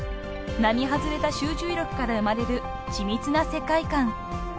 ［並外れた集中力から生まれる緻密な世界観］